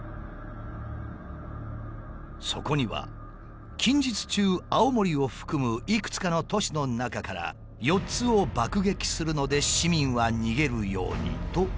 そこには「近日中青森を含むいくつかの都市の中から４つを爆撃するので市民は逃げるように」と書かれていた。